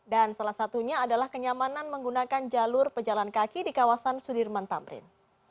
dan salah satunya adalah kenyamanan menggunakan jalur pejalan kaki di kawasan sudirman tamrin